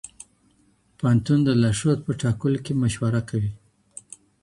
پوهنتون د لارښود په ټاکلو کي مشوره کوي.